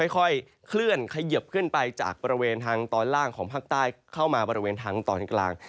ค่อยเคลื่อนขยิบขึ้นไปจากบริเวณทางตอนล่างของภาคใต้เข้ามาบริเวณทางตอนกลาง